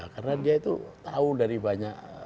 karena dia itu tahu dari banyak